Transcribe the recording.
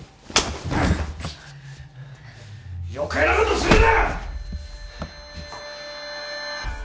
余計なことするな！